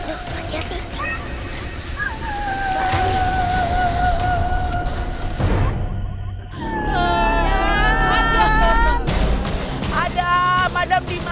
iya aduh hati hati